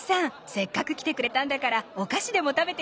せっかく来てくれたんだからお菓子でも食べていきな。